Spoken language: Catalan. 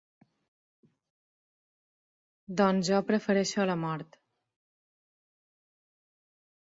Doncs jo prefereixo la mort.